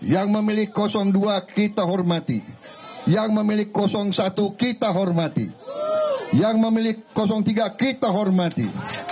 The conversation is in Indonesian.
yang memiliki kosong dua kita hormati yang memiliki kosong satu kita hormati yang memiliki kosong tiga kita hormati